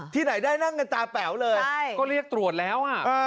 ได้นั่งกันตาแป๋วเลยใช่ก็เรียกตรวจแล้วอ่ะอ่า